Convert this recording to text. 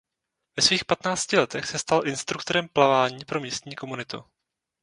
Ve svých patnácti letech se stal instruktorem plavání pro místní komunitu.